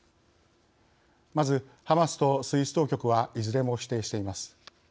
まずハマスとスイス当局はいずれも否定しています。